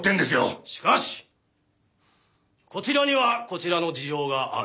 しかしこちらにはこちらの事情がある。